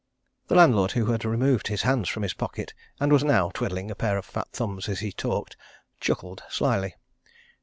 The landlord, who had removed his hands from his pockets, and was now twiddling a pair of fat thumbs as he talked, chuckled slyly.